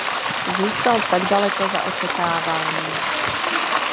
Zůstal tak daleko za očekáváním.